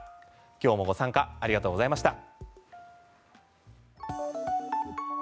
今日もご参加ありがとうございました。